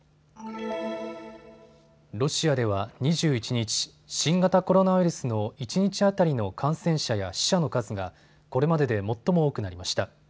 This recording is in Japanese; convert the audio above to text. ロシアでは２１日、新型コロナウイルスの一日当たりの感染者や死者の数がこれまでで最も多くなりました。